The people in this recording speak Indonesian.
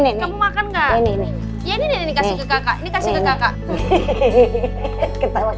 kamu makan kak